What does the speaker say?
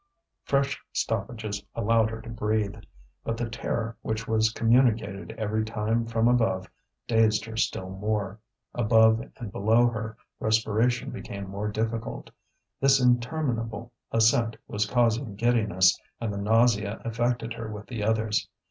Fresh stoppages allowed her to breathe. But the terror which was communicated every time from above dazed her still more. Above and below her, respiration became more difficult. This interminable ascent was causing giddiness, and the nausea affected her with the others.